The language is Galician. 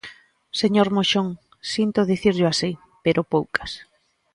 Señor Moxón, sinto dicirllo así, pero poucas.